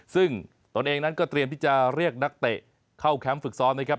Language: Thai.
ซึ่งตนเองนั้นก็เตรียมที่จะเรียกนักเตะเข้าแคมป์ฝึกซ้อมนะครับ